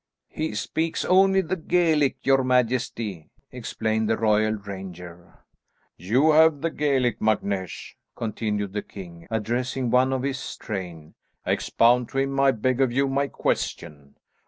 "He speaks only the Gaelic, your majesty," explained the royal ranger. "You have the Gaelic, MacNeish," continued the king, addressing one of his train. "Expound to him, I beg of you, my question.